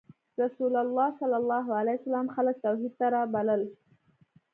رسول الله ﷺ خلک توحید ته رابلل.